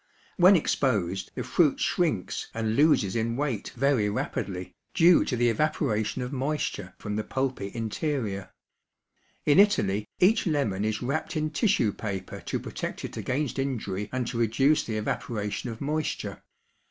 When exposed the fruit shrinks and loses in weight very rapidly, due to the evaporation of moisture from the pulpy interior. In Italy each lemon is wrapped in tissue paper to protect it against injury and to reduce the evaporation of moisture.